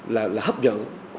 là hấp dẫn